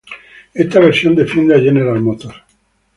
Esta versión defiende a General Motors.